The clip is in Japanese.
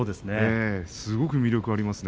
すごく魅力がありますね。